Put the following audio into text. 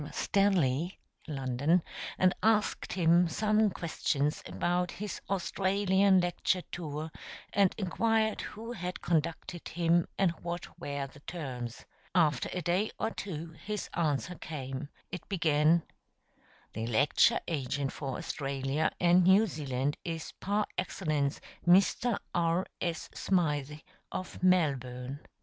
Stanley (London), and asked him some questions about his Australian lecture tour, and inquired who had conducted him and what were the terms. After a day or two his answer came. It began: "The lecture agent for Australia and New Zealand is par excellence Mr. R. S. Smythe, of Melbourne."